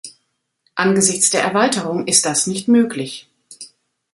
Angesichts der Erweiterung ist das nicht möglich.